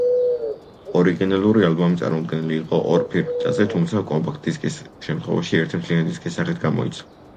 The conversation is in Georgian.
ორიგინალური ალბომი წარმოდგენილი იყო ორ ფირფიტაზე, თუმცა კომპაქტ-დისკის შემთხვევაში, ერთი მთლიანი დისკის სახით გამოიცა.